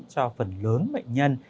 cho phần lớn bệnh nhân